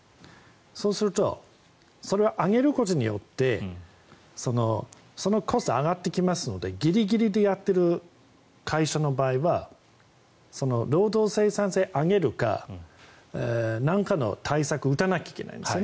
そうするとそれは上げることによってそのコストが上がってきますのでギリギリでやっている会社の場合は労働生産性を上げるかなんかの対策を打たなきゃいけないんです。